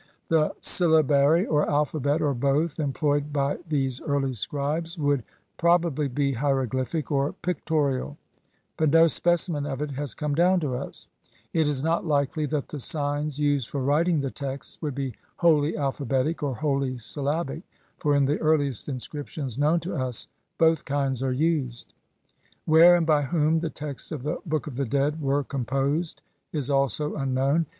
The syllabary, or alphabet, or both, employed by these early scribes would probably be hieroglyphic or pic torial, but no specimen of it has come down to us ; it is not likely that the signs used for writing the texts would be wholly alphabetic or wholly syllabic, for in the earliest inscriptions known to us both kinds are used. Where and by whom the texts of the Book of the Dead were composed is also unknown.